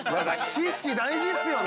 ◆知識大事っすよね。